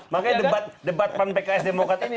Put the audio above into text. makanya debat pembekas demokrasi ini